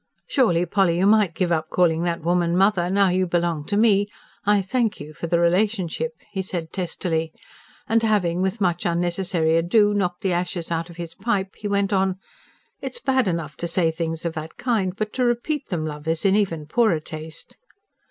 "Surely, Polly, you might give up calling that woman 'mother,' now you belong to me I thank you for the relationship!" he said testily. And having with much unnecessary ado knocked the ashes out of his pipe, he went on: "It's bad enough to say things of that kind; but to repeat them, love, is in even poorer taste."